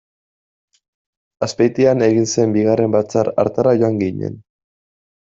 Azpeitian egin zen bigarren batzar hartara joan ginen.